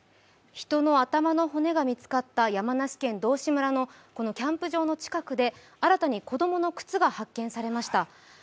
人の頭の骨が見つかった山梨県道志村のキャンプ場の近くで、新たに子供の靴が発見されました。